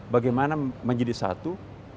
bagaimana menjadi satu